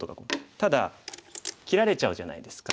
ただ切られちゃうじゃないですか。